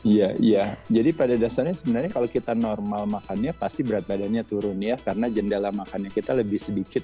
iya iya jadi pada dasarnya sebenarnya kalau kita normal makannya pasti berat badannya turun ya karena jendela makannya kita lebih sedikit